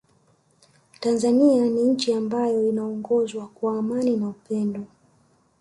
Tanzania ni nchi ambayo inaongozwa kwa amani na upendo